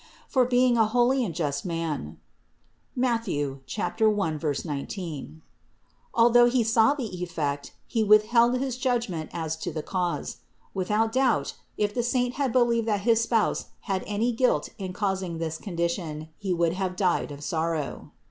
For, being a holy and just man (Matth. 1, 19), although he saw the effect, he withheld his judgment as to the cause. Without doubt, if the saint had believed that his Spouse had any guilt in causing this condition, he would have died of sorrow.